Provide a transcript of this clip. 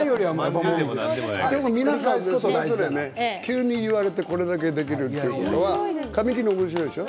皆さん、急に言われてこれだけできるということは紙切り、おもしろいでしょ。